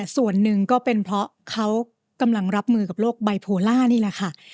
ส่วนหนึ่งก็เป็นเพราะเขากำลังรับมือกับโรคไบโพล่านี่แหละค่ะ